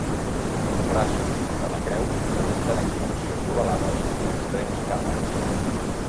Els braços de la creu presenten expansions ovalades i extrems carrats.